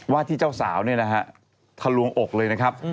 ที่เจ้าสาวเนี่ยนะฮะทะลวงอกเลยนะครับ